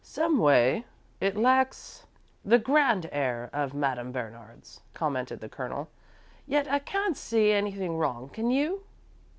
"Someway it lacks the 'grand air' of Madame Bernard's," commented the Colonel, "yet I can't see anything wrong, can you?"